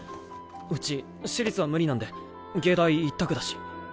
うち私立は無理なんで藝大一択だし。